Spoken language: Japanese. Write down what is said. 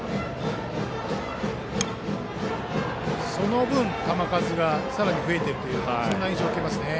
その分、球数がさらに増えているそんな印象を受けますね。